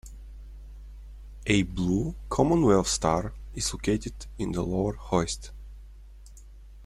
A blue Commonwealth Star is located in the lower hoist.